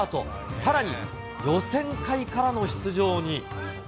さらに、予選会からの出場に。